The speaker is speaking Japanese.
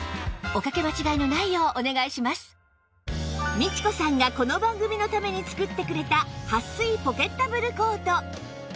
ミチコさんがこの番組のために作ってくれた撥水ポケッタブルコート